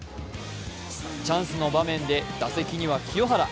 チャンスの場面で打席には清原。